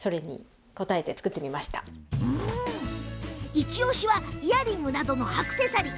イチおしはイヤリングなどのアクセサリー。